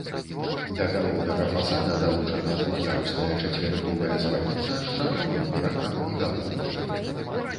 Да галоўнага фасада далучана двух'ярусная чацверыковая званіца з шатровым верхам і галоўкай.